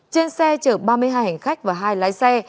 trên xe chở ba mươi hai hành khách và hai lái xe